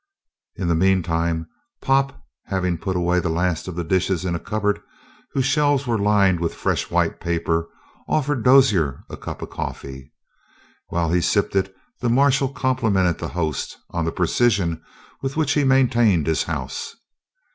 In the meantime, Pop, having put away the last of the dishes in a cupboard, whose shelves were lined with fresh white paper, offered Dozier a cup of coffee. While he sipped it, the marshal complimented his host on the precision with which he maintained his house.